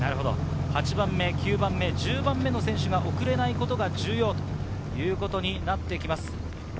８番目、９番目、１０番目の選手が遅れないことが重要になってきます。